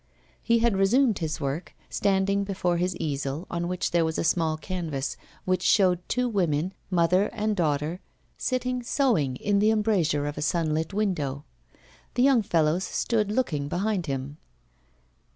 He had resumed his work, standing before his easel, on which there was a small canvas, which showed two women, mother and daughter, sitting sewing in the embrasure of a sunlit window. The young fellows stood looking behind him.